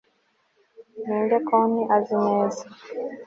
Ninde konti azi neza